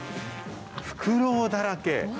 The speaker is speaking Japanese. フクロウだらけ。